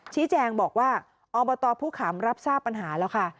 ชี้แจงบอกว่าอบตผู้ขำรับทราบปัญหาแล้วค่ะ